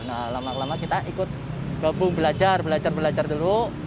nah lama lama kita ikut gabung belajar belajar belajar dulu